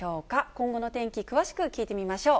今後の天気、詳しく聞いてみましょう。